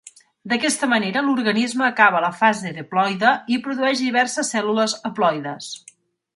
D'aquesta manera l'organisme acaba la fase diploide i produeix diverses cèl·lules haploides.